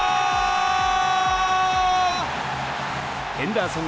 ヘンダーソン！